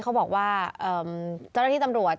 เขาบอกว่าเจ้าหน้าที่ตำรวจ